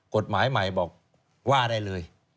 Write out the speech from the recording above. กฎหมายใหม่บอกว่าได้เลย